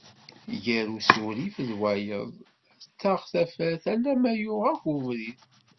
Gar usurif d wayeḍ ad taɣ tafat alamma yuɣ akk ubrid.